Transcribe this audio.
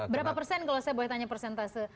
berapa persen kalau saya boleh tanya persentase